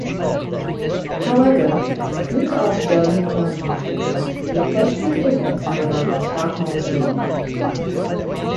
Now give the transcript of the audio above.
However, due to Australian quarantine restrictions the equestrian events were held in Stockholm, Sweden.